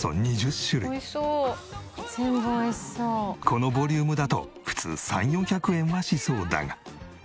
このボリュームだと普通３００４００円はしそうだが。